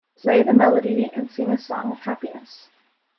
Play the melody and sing a song of happiness.